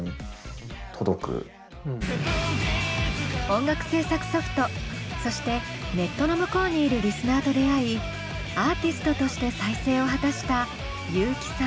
音楽制作ソフトそしてネットの向こうにいるリスナーと出会いアーティストとして再生を果たした有機酸こと神山羊。